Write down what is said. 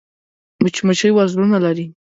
مچمچۍ وزرونه لري